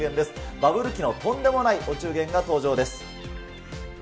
バブル期のとんでもないお中元が登場です。